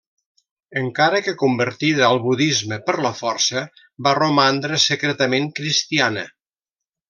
Encara que convertida al budisme per la força, va romandre secretament cristiana.